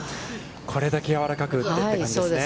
これだけやわらかく打ってという感じですね。